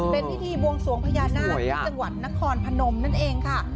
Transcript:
เป็นพิธีบวงสวงพญานาคที่จังหวัดนครพนมนั่นเองค่ะ